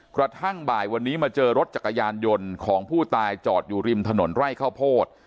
กระทั่งบ่ายวันนี้มาเจอรถจักรยานยนต์ของผู้ตายจอดอยู่ริมถนนไร่ข้าวโพด